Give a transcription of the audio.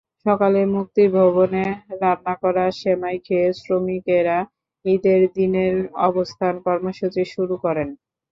সকালে মুক্তিভবনে রান্না করা সেমাই খেয়ে শ্রমিকেরা ঈদের দিনের অবস্থান কর্মসূচি শুরু করেন।